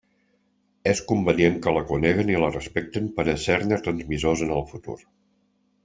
És convenient que la coneguen i la respecten per a ser-ne transmissors en el futur.